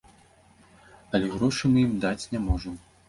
Але грошы мы ім даць не можам.